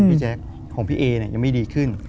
แจ๊คของพี่เอยังไม่ดีขึ้น